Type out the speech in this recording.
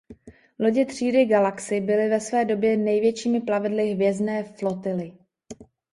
Lodě třídy "Galaxy" byly ve své době největšími plavidly Hvězdné flotily.